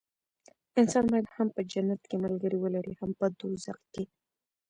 انسان باید هم په جنت کې ملګري ولري هم په دوزخ کې.